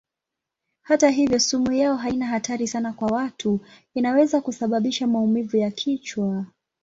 Hata hivyo sumu yao haina hatari sana kwa watu; inaweza kusababisha maumivu ya kichwa.